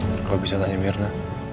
aku bisa tanya mirna